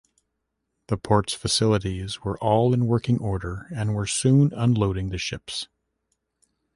The port's facilities were all in working order and were soon unloading the ships.